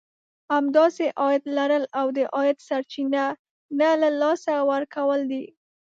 همداسې عايد لرل او د عايد سرچينه نه له لاسه ورکول دي.